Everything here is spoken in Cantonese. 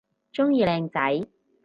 鍾意靚仔